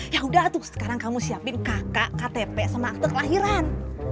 ya udah tuh sekarang kamu siapin kakak ktp sama akte kelahiran